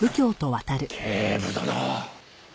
警部殿！